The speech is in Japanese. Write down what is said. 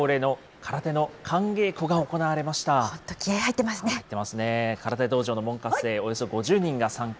空手道場の門下生、およそ５０人が参加。